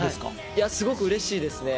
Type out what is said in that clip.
いや、すごくうれしいですね。